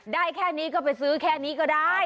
ได้แค่นี้ก็ไปซื้อแค่นี้ก็ได้